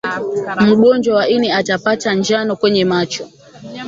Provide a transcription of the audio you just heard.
mgonjwa wa ini atapata njano kwenye macho